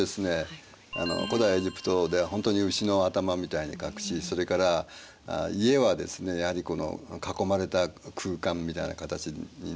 古代エジプトではほんとに牛の頭みたいに書くしそれから家はですねやはり囲まれた空間みたいな形になってる。